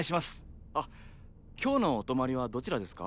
あっ今日のお泊まりはどちらですか？